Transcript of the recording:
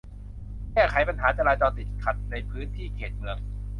แก้ไขปัญหาจราจรติดขัดในพื้นที่เขตเมือง